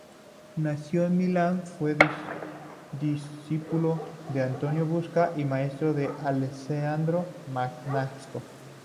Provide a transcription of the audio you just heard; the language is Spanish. Nació en Milán, fue discípulo de Antonio Busca y maestro de Alessandro Magnasco.